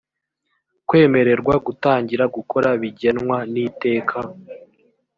kwemererwa gutangira gukora bigenwa n iteka